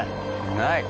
ない。